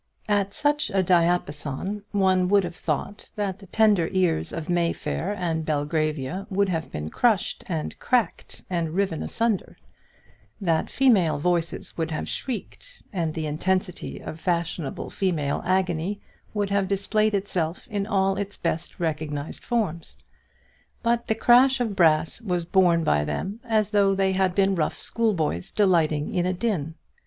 At such a diapason one would have thought that the tender ears of May Fair and Belgravia would have been crushed and cracked and riven asunder; that female voices would have shrieked, and the intensity of fashionable female agony would have displayed itself in all its best recognised forms. But the crash of brass was borne by them as though they had been rough schoolboys delighting in a din.